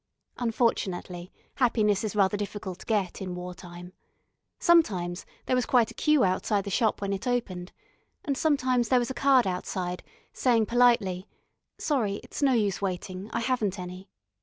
Unfortunately Happiness is rather difficult to get in war time. Sometimes there was quite a queue outside the shop when it opened, and sometimes there was a card outside, saying politely: "Sorry, it's no use waiting. I haven't any."